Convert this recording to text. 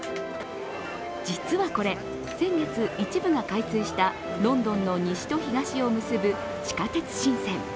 実はこれ、先月一部が開通したロンドンの西と東を結ぶ地下鉄新線。